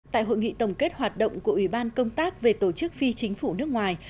tại hội nghị tổng kết hoạt động của ủy ban công tác về tổ chức phi chính phủ nước ngoài